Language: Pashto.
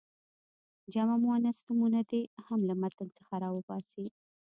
جمع مؤنث نومونه دې هم له متن څخه را وباسي.